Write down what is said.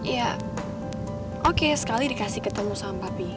ya oke sekali dikasih ketemu sama papi